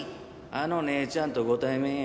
あの姉ちゃんとご対面や。